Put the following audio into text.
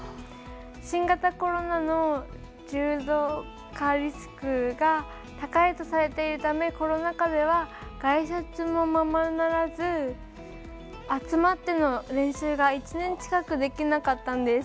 新型コロナの重症化リスクが高いとされているためコロナ禍では外出もままならず集まっての練習が１年近くできなかったんです。